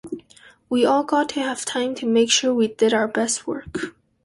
We all got to have time to make sure we did our best work.